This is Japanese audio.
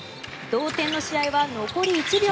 同点の試合は残り１秒。